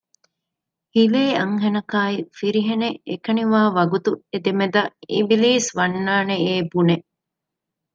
ހިލޭ އަންހެނަކާއި ފިރިހެނެއް އެކަނިވާ ވަގުތު އެދެމެދަށް އިބިލީސް ވާންނެއޭ ބުނެ